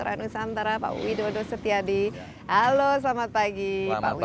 pak nusantara pak widodo setiadi halo selamat pagi pak wil